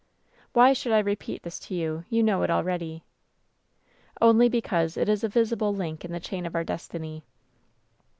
"Why should I repeat this to you, you kuow it al ready ? "Only because it is a visible link in the chain of our destiny.